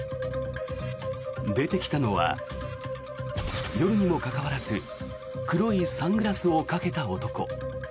出てきたのは、夜にもかかわらず黒いサングラスをかけた男。